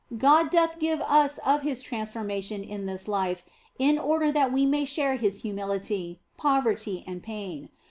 God doth give us of His transformation in this life in order that we may share His humility, poverty, and pain.